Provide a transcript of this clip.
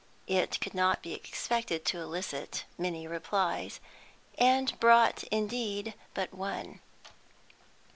It could not be expected to elicit many replies; and brought indeed but one.